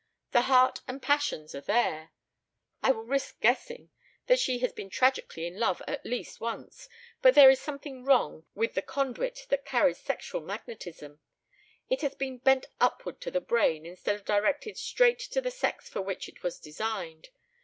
The heart and passions are there I will risk guessing that she has been tragically in love at least once but there is something wrong with the conduit that carries sexual magnetism; it has been bent upward to the brain instead of directed straight to the sex for which it was designed.